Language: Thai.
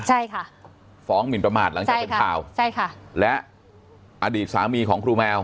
ใช่ค่ะฟ้องหมินประมาทหลังจากเป็นข่าวใช่ค่ะและอดีตสามีของครูแมว